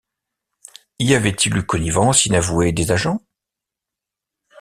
Y avait-il eu connivence inavouée des agents?